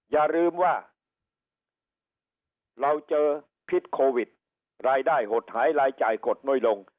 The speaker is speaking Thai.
อย่าลืมว่าเราเจอพิษโควิดรายได้หดหายรายจ่ายกดน้อยลง